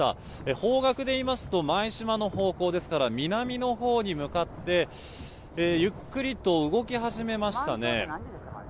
方角で言いますと舞洲の方向ですから南のほうに向かってゆっくりと動き始めましたね。